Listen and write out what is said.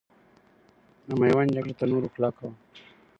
د میوند جګړه تر نورو کلکو وه.